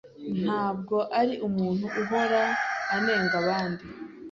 Ntabwo ari umuntu uhora anenga abandi.